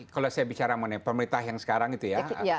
kalau saya bicara pemerintah yang sekarang itu ya